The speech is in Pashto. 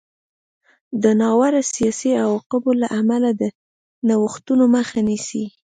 د ناوړه سیاسي عواقبو له امله د نوښتونو مخه نیسي.